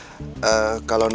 mau hati hati di jalan ya